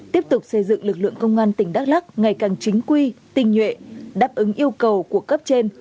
tiếp tục xây dựng lực lượng công an tỉnh đắk lắc ngày càng chính quy tinh nhuệ đáp ứng yêu cầu của cấp trên